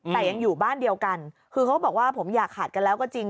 แต่ยังอยู่บ้านเดียวกันคือเขาบอกว่าผมอย่าขาดกันแล้วก็จริง